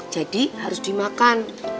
jadi harus dimakan